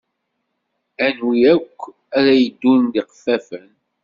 Anwi akk ara yeddun d iqeffafen?